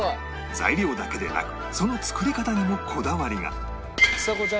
材料だけでなくその作り方にもこだわりが